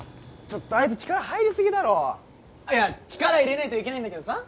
ちょっとあいつ力入りすぎだろいや力入れねえといけねえんだけどさ